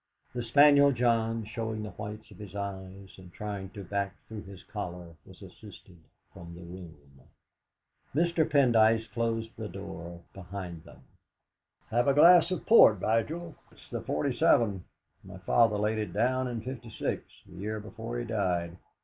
The spaniel John, showing the whites of his eyes, and trying to back through his collar, was assisted from the room. Mr. Pendyce closed the door behind them. "Have a glass of port, Vigil; it's the '47. My father laid it down in '.6, the year before he died.